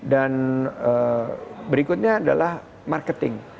dan berikutnya adalah marketing